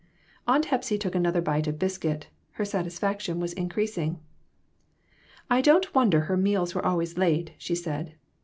Aunt Hepsy took another bite of biscuit ; her satisfaction was increasing. " I don't wonder her meals were always late," she said.